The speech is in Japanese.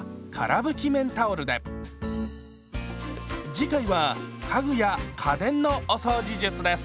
次回は家具や家電のお掃除術です。